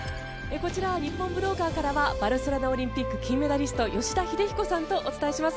こちら、日本武道館からバルセロナオリンピック金メダリスト吉田秀彦さんとお伝えします。